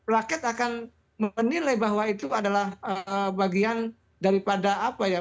rakyat akan menilai bahwa itu adalah bagian daripada apa ya